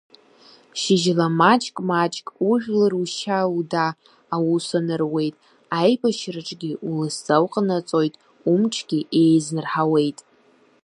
Шьыжьла маҷк-маҷк ужәлар ушьа-уда аус анаруеит, аибашьраҿгьы уласӡа уҟанаҵоит, умчгьы еизнырҳауеит.